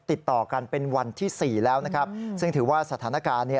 ติดต่อกันเป็นวันที่สี่แล้วนะครับซึ่งถือว่าสถานการณ์เนี่ย